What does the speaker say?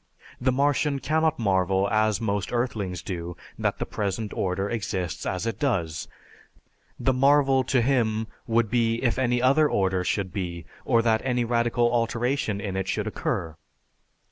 The Martian cannot marvel as most earthlings do that the present order exists as it does; the marvel to him would be if any other order should be or that any radical alteration in it should occur.